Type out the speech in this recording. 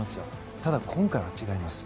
ただ、今回は違います。